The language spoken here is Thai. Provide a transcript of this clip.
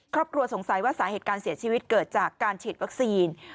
ครอบครัวสงสัยว่าสาเหตุการเสียชีวิตเกิดจากการฉีดวัคซีน